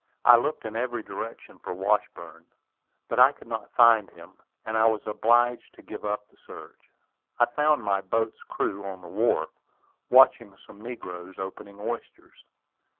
I looked in every direction for Washburn, but I could not find him, and I was obliged to give up the search. I found my boat's crew on the wharf, watching some negroes opening oysters.